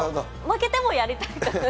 負けてもやりたい。